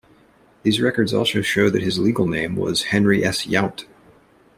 These records also show that his legal name was Henry S. Yount.